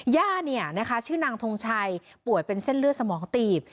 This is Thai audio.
ย่าชื่อนางทงชัยป่วยเป็นเส้นเลือดสมองตีบ